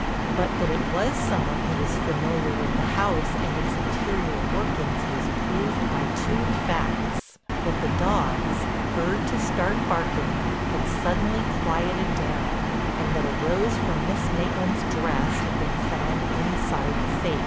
But that it was some one who was familiar with the house and its interior workings was proved by two facts:—that the dogs, heard to start barking, had suddenly quieted down, and that a rose from Miss Maitland's dress had been found inside the safe.